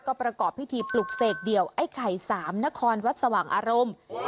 ประกอบพิธีปลุกเสกเดี่ยวไอ้ไข่สามนครวัดสว่างอารมณ์